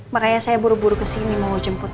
makanya saya buru buru kesini mau jemput